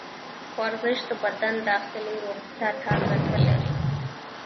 ورزش د بدن داخلي روغتیا ته ګټه لري.